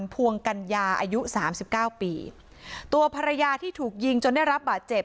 พวงกัญญาอายุสามสิบเก้าปีตัวภรรยาที่ถูกยิงจนได้รับบาดเจ็บ